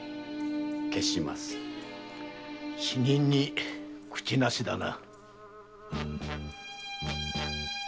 「死人に口無し」だな。